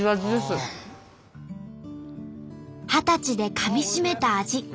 二十歳でかみしめた味。